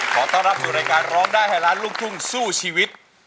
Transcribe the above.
ขอต้อนรับสู่รายการร้องได้ให้ล้านลูกทุ่งสู้ชีวิต